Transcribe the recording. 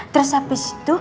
terus abis itu